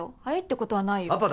早いってことはないよ。